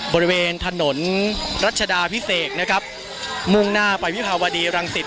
บริเวณถนนรัชดาพิเศษนะครับมุ่งหน้าไปวิภาวดีรังสิต